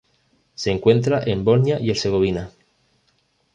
Se encuentra en Bosnia y Herzegovina.